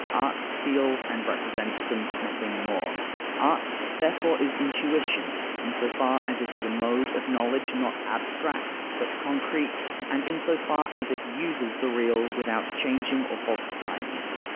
Art feels and represents them. Nothing more. Art therefore is intuition, in so far as it is a mode of knowledge, not abstract, but concrete, and in so far as it uses the real, without changing or falsifying it.